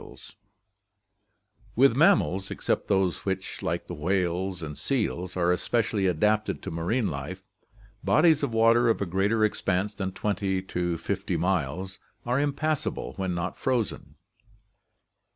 GEOGRAPHIC DISTRIBUTION 57 With mammals, except those which, like the whales and seals, are especially adapted to marine life, bodies of water of a greater expanse than 20 to 50 miles are impassable when not frozen.